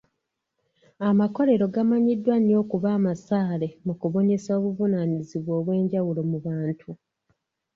Amakolero gamanyiddwa nnyo mu kuba abasaale mu kubunyisa obuvunaanyizibwa obwenjawulo mu bantu.